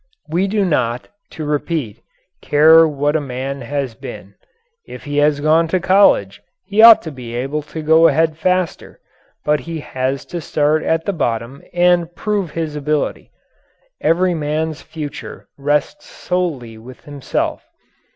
We do not, to repeat, care what a man has been. If he has gone to college he ought to be able to go ahead faster, but he has to start at the bottom and prove his ability. Every man's future rests solely with himself.